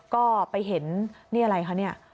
ก็ไปเห็นนี่อะไรคะ